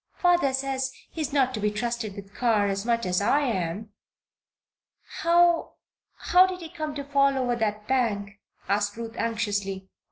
Father says he is not to be trusted with the car as much as I am." "How how did he come to fall over that bank?" asked Ruth, anxiously.